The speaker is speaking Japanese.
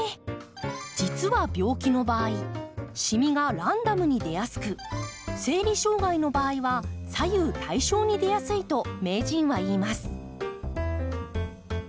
実は病気の場合しみがランダムに出やすく生理障害の場合は左右対称に出やすいと名人は言います。